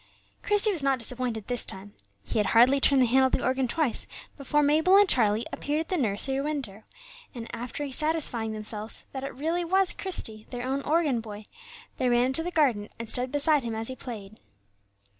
Christie was not disappointed this time. He had hardly turned the handle of the organ twice before Mabel and Charlie appeared at the nursery window; and, after satisfying themselves that it really was Christie, their own organ boy, they ran into the garden, and stood beside him as he played.